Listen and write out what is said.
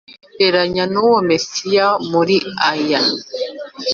Reranye n uwo mesiya muri aya